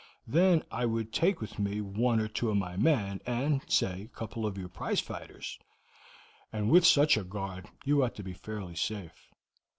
Then I would take with me one or two of my men, and, say, a couple of your prize fighters, and with such a guard you ought to be fairly safe."